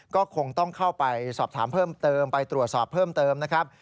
ก็คงต้องเข้าไปสอบถามเพิ่มเติมไปตรวจสอบเพิ่มเติมนะครับ